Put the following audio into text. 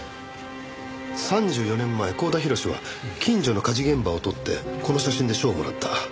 ３４年前光田廣は近所の火事現場を撮ってこの写真で賞をもらった。